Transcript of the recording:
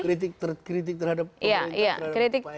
kritik terhadap pemerintah